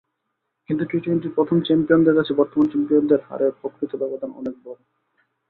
কিন্তু টি-টোয়েন্টির প্রথম চ্যাম্পিয়নদের কাছে বর্তমান চ্যাম্পিয়নদের হারের প্রকৃত ব্যবধান অনেক বড়।